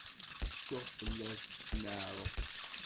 Tsuɣ fell-as tmiɛruft.